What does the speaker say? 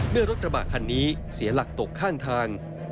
เมื่อรถกระบะคันนี้เสียหลักตกข้างทาง